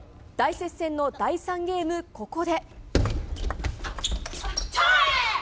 大接戦の第３ゲーム、ここで。